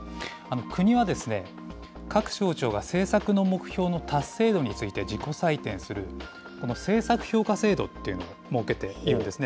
国はですね、各省庁が政策の目標の達成度について自己採点する、この政策評価制度っていうのを設けているんですね。